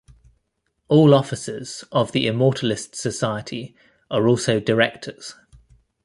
All Officers of the Immortalist Society are also Directors.